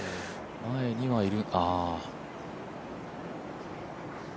前にはいる。